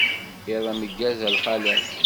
Iḍ ameggaz a lxalat.